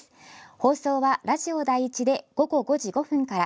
放送はラジオ第１で午後５時５分から。